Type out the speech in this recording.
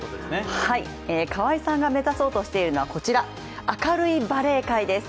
はい、川合さんが目指そうとしているのはこちら、「明るいバレー界」です。